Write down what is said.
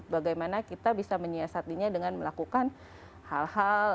bagaimana kita bisa menyiasatinya dengan melakukan hal hal